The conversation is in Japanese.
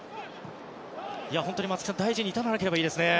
本当に松木さん大事に至らなければいいですね。